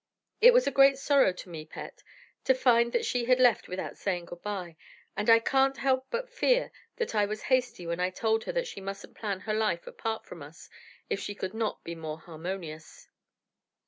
It was a great sorrow to me, Pet, to find that she had left without saying good bye, and I can't help but fear that I was hasty when I told her that she must plan her life apart from us if she could not be more harmonious."